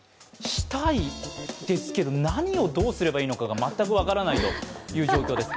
したいですけど、何をどうすればいいのか全く分からないという状況です。